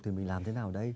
thì mình làm thế nào đây